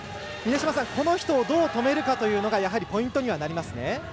この人をどう止めるかというのがポイントになりますね。